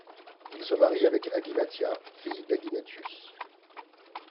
Il se marie avec Aginatia, fille d'Aginatius.